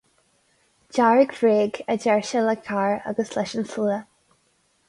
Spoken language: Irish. Dearg-bhréag, a deir sé le Carr agus leis an slua.